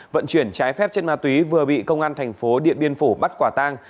vận chuyển trái phép chất ma túy vừa bị công an thành phố điện biên phủ bắt quả tang